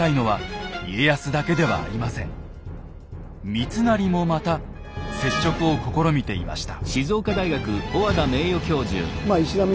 三成もまた接触を試みていました。